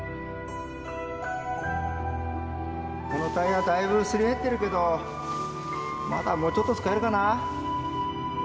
このタイヤだいぶすり減ってるけどまだもうちょっと使えるかな。